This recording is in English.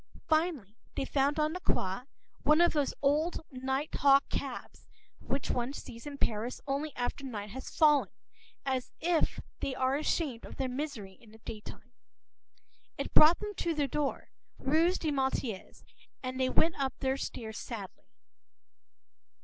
Finally, they found on the Quai one of those old night hawk cabs which one sees in Paris only after night has fallen, as though they are ashamed of their misery in the daytime.It brought them to their door, rue des Martyrs; and they went up their own stairs sadly.